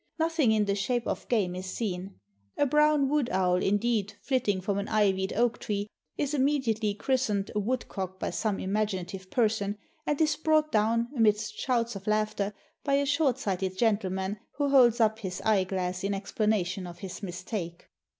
Nothing in the shape of game is seen; a brown wood owl, indeed, flitting from an ivied oak tree, is immediately christened a woodcock by some imag inative person, and is brought down, amidst shouts of laughter, by a short sighted gentleman, who holds up his eye glass in explanation of his mistake.